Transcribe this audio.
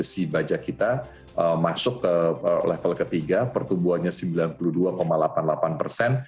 si baja kita masuk ke level ketiga pertumbuhannya sembilan puluh dua delapan puluh delapan persen